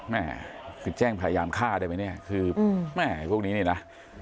แม่คือแจ้งพยายามฆ่าได้ไหมเนี่ยคือแม่พวกนี้นี่นะ